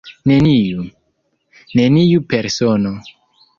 Neniu = neniu persono.